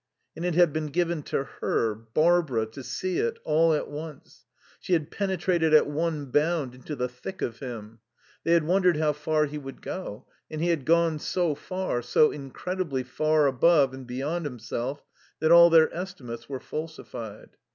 And it had been given to her, Barbara, to see it, all at once. She had penetrated at one bound into the thick of him. They had wondered how far he would go; and he had gone so far, so incredibly far above and beyond himself that all their estimates were falsified.